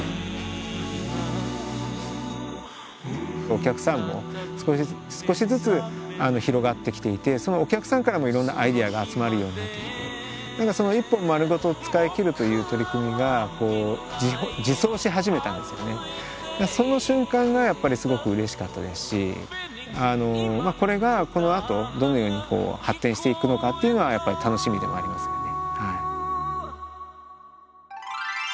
お客さんも少しずつ広がってきていてそのお客さんからもいろんなアイデアが集まるようになってきてその瞬間がやっぱりすごくうれしかったですしこれがこのあとどのように発展していくのかっていうのはやっぱり楽しみでもありますよね。